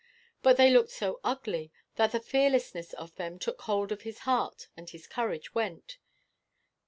But they looked so ugly that the fearfulness of them took hold of his heart, and his courage went.